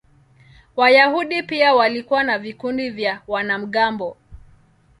Wayahudi pia walikuwa na vikundi vya wanamgambo.